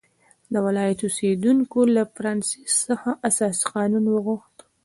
د ولایت اوسېدونکو له فرانسیس څخه اساسي قانون وغوښت.